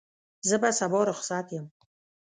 زه به سبا رخصت یم.